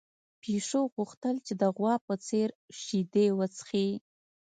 پيشو غوښتل چې د غوا په څېر شیدې وڅښي.